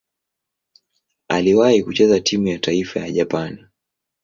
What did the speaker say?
Aliwahi kucheza timu ya taifa ya Japani.